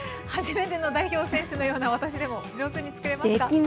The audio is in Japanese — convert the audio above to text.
はじめての代表選手のような私でも上手に作れますか？